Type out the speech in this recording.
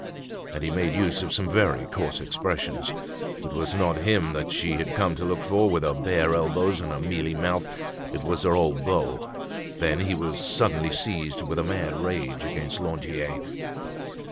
And he made use of some very coarse expressions. It was not him that she had come to look for with her bare elbows and her mealy mouth; it was her old beau. Then he was suddenly seized with a mad rage against Lantier.